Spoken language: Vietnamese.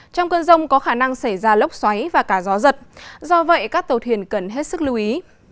trong cơn rông có khả năng xảy ra lốc xoáy và cả gió giật do vậy các tàu thuyền cần hết sức lưu ý